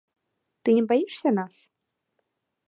Ты не баішся нас?